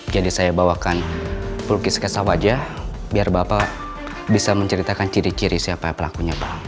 jadi saya bawakan pulki skesa wajah biar bapak bisa menceritakan ciri ciri siapa pelakunya pak